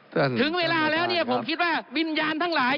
ถึงเวลาแล้วเนี่ยผมคิดว่าวิญญาณทั้งหลาย